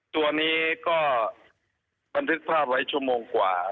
ตัวนี้ก็บันทึกภาพไว้ชั่วโมงกว่า